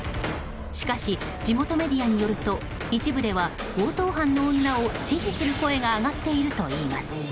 しかし地元メディアによると一部では強盗犯の女を支持する声が上がっているといいます。